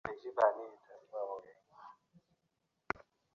Sir, তারা একজনকে দিনে-দুপুরে রাস্তায় হত্যা করেছে।